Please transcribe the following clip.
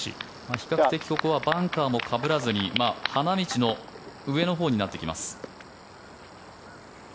比較的ここはバンカーもかぶらずに花道の上のほうになってきます。